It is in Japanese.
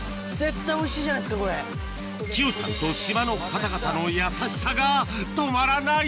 キヨさんと島の方々の優しさが止まらない！